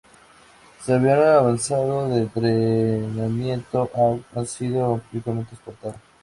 Su avión avanzado de entrenamiento Hawk ha sido ampliamente exportado.